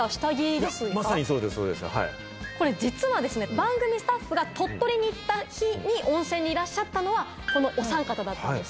実は番組スタッフが鳥取に行った日に温泉にいらっしゃったのはこのおさん方だったんです。